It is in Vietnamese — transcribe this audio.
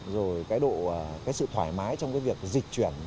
rồi cái sự thoải mái trong cái việc dịch chuyển